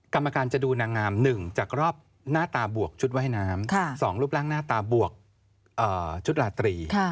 กรรมการจะดูนางงาม๑จากรอบหน้าตาบวกชุดว่ายน้ำ๒รูปร่างหน้าตาบวกชุดราตรี